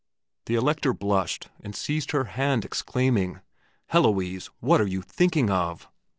The Elector blushed and seized her hand exclaiming, "Heloise! What are you thinking of?"